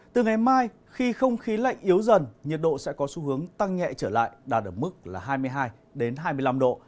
từ ngày mai khi không khí lạnh yếu dần nhiệt độ sẽ có xu hướng tăng nhẹ trở lại đạt ở mức là hai mươi hai hai mươi năm độ